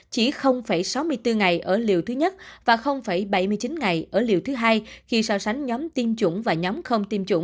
chỉ sáu mươi bốn ngày ở liều thứ nhất và bảy mươi chín ngày ở liều thứ hai khi so sánh nhóm tiêm chủng và nhóm không tiêm chủng